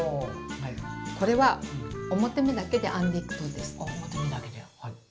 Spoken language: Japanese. これは表目だけで編んでいくといいです。